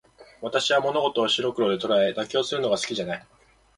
私は物事を白黒で捉え、妥協するのが好きじゃない。